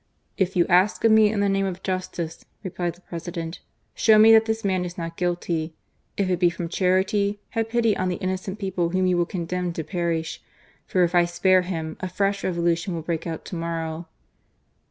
" If you ask of me in the name of justice," replied the President, " show me that this man is not guilty : if it be from charity, have pity on the innocent people whom you will condemn to perish ; for if I spare him, a fresh Revolution will break out to morrow."